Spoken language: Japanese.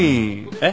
えっ？